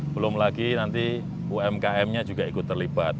belum lagi nanti umkm nya juga ikut terlibat